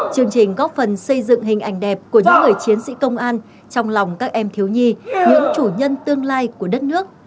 chương trình góp phần xây dựng hình ảnh đẹp của những người chiến sĩ công an trong lòng các em thiếu nhi những chủ nhân tương lai của đất nước